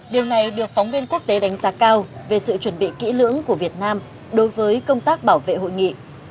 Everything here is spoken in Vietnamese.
điều này được phóng viên quốc tế đánh giá cao về sự chuẩn bị kỹ lưỡng của việt nam đối với công tác bảo vệ hội nghị